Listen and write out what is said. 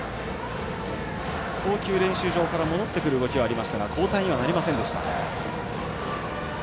投球練習場から戻ってくる動きがありましたが交代にはなりませんでした。